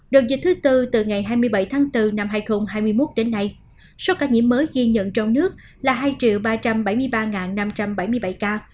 đầu dịch thứ tư từ ngày hai mươi bảy tháng bốn năm hai nghìn hai mươi một đến nay số ca nhiễm mới ghi nhận trong nước là hai ba trăm bảy mươi ba ca